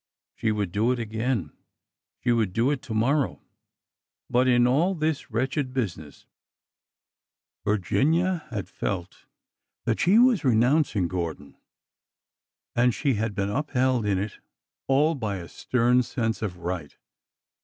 She would do it again ! She would do it to morrow ! But — in all this wretched business, Virginia had felt that she was renouncing Gordon, and she had been upheld in it all by a stern sense of right.